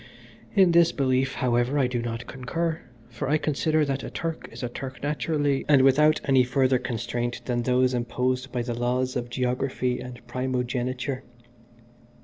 In this belief, however, I do not concur, for I consider that a Turk is a Turk naturally, and without any further constraint than those imposed by the laws of geography and primogeniture.